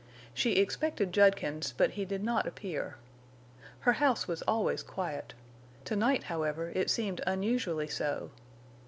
She expected Judkins, but he did not appear. Her house was always quiet; to night, however, it seemed unusually so.